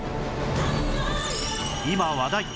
今話題！